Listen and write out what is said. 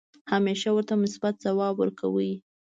همیشه ورته مثبت ځواب ورکړئ .